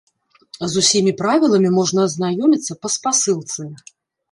З усімі правіламі можна азнаёміцца па спасылцы.